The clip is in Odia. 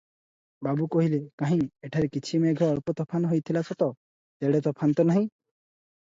ବାବୁ କହିଲେ, "କାହିଁ, ଏଠାରେ କିଛି ମେଘ ଅଳ୍ପ ତୋଫାନ ହୋଇଥିଲା ସତ, ତେଡ଼େ ତୋଫାନ ତ ନାହିଁ?"